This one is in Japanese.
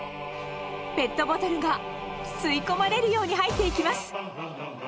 ペットボトルが吸い込まれるように入っていきます。